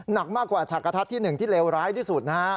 หนักมากกว่าฉากกระทัดที่๑ที่เลวร้ายที่สุดนะฮะ